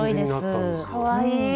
かわいい。